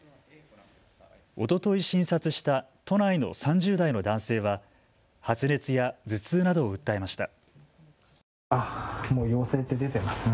おととい診察した都内の３０代の男性は発熱や頭痛などを訴えました。